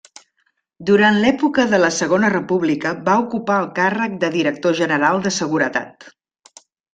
Durant l'època de la Segona República va ocupar el càrrec de Director general de Seguretat.